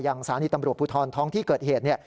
สถานีตำรวจภูทรท้องที่เกิดเหตุ